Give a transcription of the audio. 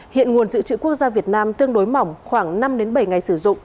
hiện nguồn dự trữ quốc gia việt nam tương đối mỏng khoảng năm bảy ngày sử dụng